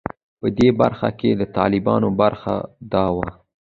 په دې برخه کې د طالبانو برخه دا وه.